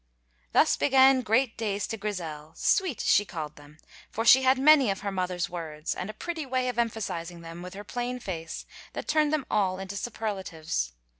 Thus began great days to Grizel, "sweet" she called them, for she had many of her mother's words, and a pretty way of emphasizing them with her plain face that turned them all into superlatives.